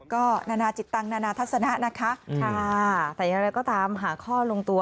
ก็นานาจิตตังนานาทัศนะนะคะแต่อย่างไรก็ตามหาข้อลงตัว